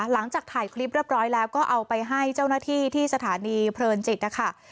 หลังจากถ่ายคลิปเรียบร้อยแล้วก็เอาไปให้เจ้าหน้าที่ที่สถานีเพลินจิตนะคะ